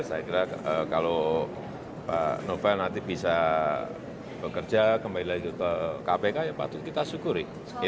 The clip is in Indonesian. saya kira kalau pak novel nanti bisa bekerja kembali lagi ke kpk ya patut kita syukuri